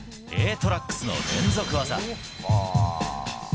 トラックスの連続技。